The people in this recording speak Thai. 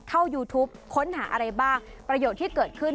ยูทูปค้นหาอะไรบ้างประโยชน์ที่เกิดขึ้น